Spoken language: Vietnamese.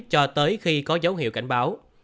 cho tới khi có dấu hiệu cảnh báo